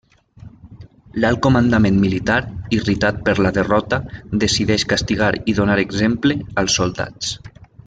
L'alt comandament militar, irritat per la derrota, decideix castigar i donar exemple als soldats.